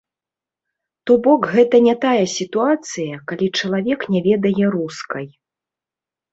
То бок, гэта не тая сітуацыя, калі чалавек не ведае рускай.